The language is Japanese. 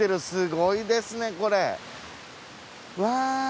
すごいですねこれ。